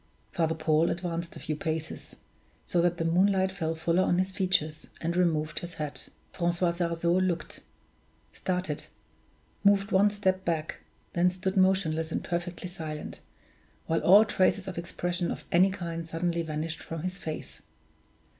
Father Paul advanced a few paces, so that the moonlight fell fuller on his features, and removed his hat. Francois Sarzeau looked, started, moved one step back, then stood motionless and perfectly silent, while all traces of expression of any kind suddenly vanished from his face.